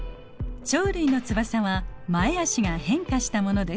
鳥類の翼は前あしが変化したものです。